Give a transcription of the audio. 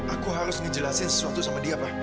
aku harus nih jelasin sesuatu sama dia pak